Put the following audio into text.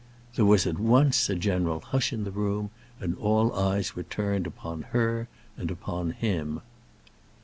There was, at once, a general hush in the room, and all eyes were turned upon her and upon him.